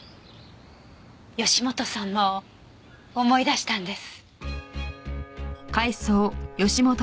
義本さんも思い出したんです。